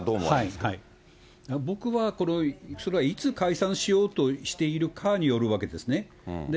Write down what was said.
僕はそれはいつ解散しようとしているかによるわけですね。